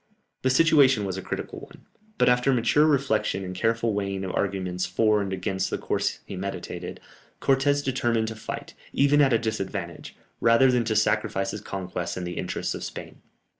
The situation was a critical one, but after mature reflection and the careful weighing of arguments for and against the course he meditated, Cortès determined to fight, even at a disadvantage, rather than to sacrifice his conquests and the interests of Spain.